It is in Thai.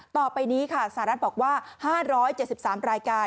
ต่อไปนี้ค่ะสหรัฐบอกว่า๕๗๓รายการ